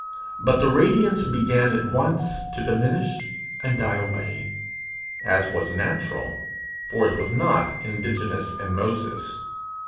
But the radiance began at once to diminish and die away, as was natural, for it was not indigenous in Moses.